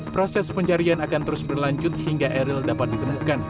proses pencarian akan terus berlanjut hingga eril dapat ditemukan